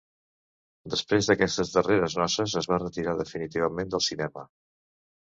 Després d'aquestes darreres noces es va retirar definitivament del cinema.